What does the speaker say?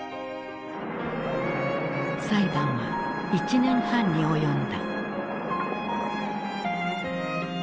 裁判は１年半に及んだ。